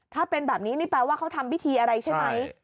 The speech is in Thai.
ถ้าเป็นแบบนี้นี่แปลว่าเขาทำพิธีอะไรใช่ไหม